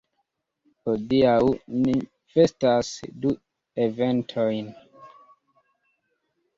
Hodiaŭ ni festas du eventojn.